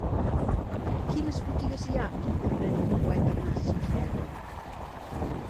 Quines botigues hi ha al carrer del Poeta Masifern?